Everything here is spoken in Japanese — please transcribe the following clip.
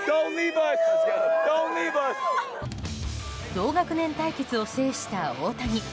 同学年対決を制した大谷。